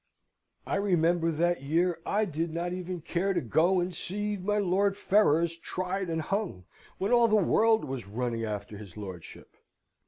I remember that year I did not even care to go and see my Lord Ferrers tried and hung, when all the world was running after his lordship.